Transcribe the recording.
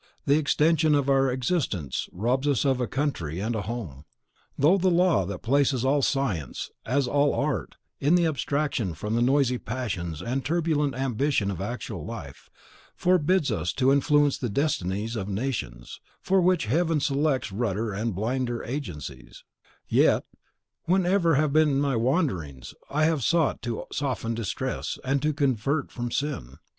the extension of our existence robs us of a country and a home; though the law that places all science, as all art, in the abstraction from the noisy passions and turbulent ambition of actual life, forbids us to influence the destinies of nations, for which Heaven selects ruder and blinder agencies; yet, wherever have been my wanderings, I have sought to soften distress, and to convert from sin.